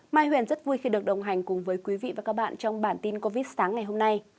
mai huyền rất vui khi được đồng hành cùng với quý vị và các bạn trong bản tin covid sáng ngày hôm nay